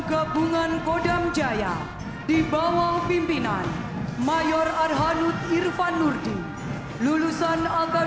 certo belenggara menyatu dalam jalan yang bisa dipendorongkan ke tend staat tatu secara damai kemungkinan